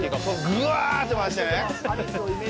ぐーっと回してね。